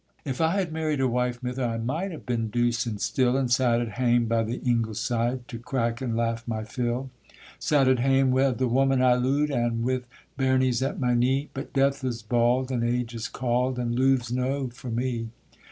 If I had married a wife, mither, I might ha' been douce and still, And sat at hame by the ingle side to crack and laugh my fill; Sat at hame wi' the woman I looed, and wi' bairnies at my knee: But death is bauld, and age is cauld, and luve's no for me.